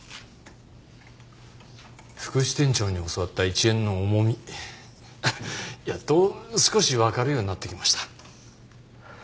副支店長に教わった１円の重みやっと少しわかるようになってきました。